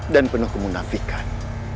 dan penuh kemunafikan